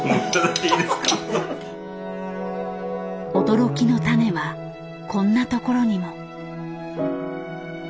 驚きの種はこんなところにも。